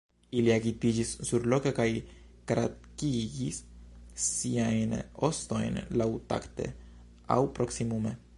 Ili agitiĝis surloke kaj krakigis siajn ostojn laŭtakte, aŭ proksimume.